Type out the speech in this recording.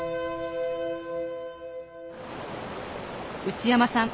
内山さん